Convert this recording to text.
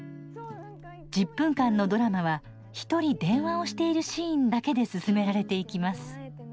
１０分間のドラマは１人電話をしているシーンだけで進められていきます。